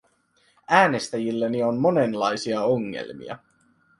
Äänestäjilläni on monenlaisia ongelmia.